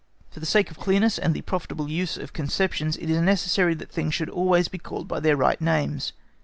For the sake of clearness and the profitable use of conceptions, it is necessary that things should always be called by their right names.